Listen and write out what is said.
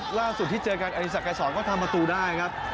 ที่ล่าสุดที่เจอกันอาริสักไกรสอนก็ทำประตูได้ครับ